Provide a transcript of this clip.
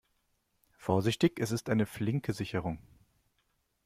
Vorsichtig, es ist eine flinke Sicherung.